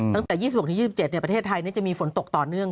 ตั้งแต่๒๖๒๗ประเทศไทยจะมีฝนตกต่อเนื่อง